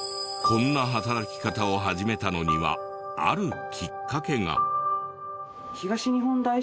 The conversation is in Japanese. こんな働き方を始めたのにはあるきっかけが。